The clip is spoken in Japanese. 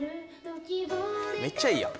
めっちゃいいやん。